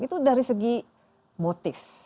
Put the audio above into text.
itu dari segi motif